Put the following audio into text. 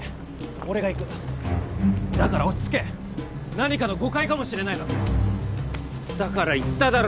俺が行くだから落ち着け何かの誤解かもしれないだろだから言っただろ